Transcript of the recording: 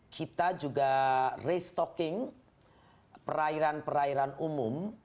kita juga restocking perairan perairan umum